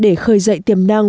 để khởi dậy tiềm năng